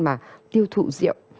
là tiêu thụ rượu